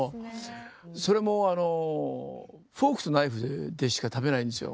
それもあのフォークとナイフでしか食べないんですよ